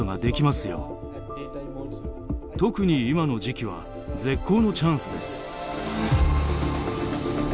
特に今の時期は絶好のチャンスです。